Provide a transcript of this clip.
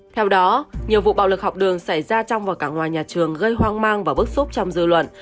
theo đó nhiều vụ bạo lực học đường xảy ra trong và cả ngoài nhà trường gây hoang mang và bức xúc trong dư luận